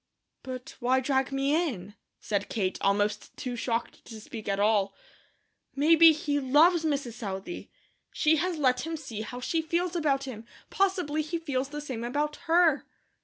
"But why drag me in?" said Kate, almost too shocked to speak at all. "Maybe he LOVES Mrs. Southey. She has let him see how she feels about him; possibly he feels the same about her."